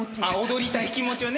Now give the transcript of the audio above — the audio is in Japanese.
踊りたい気持ちをね。